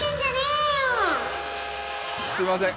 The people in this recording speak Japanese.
すいません。